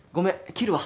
切るわ。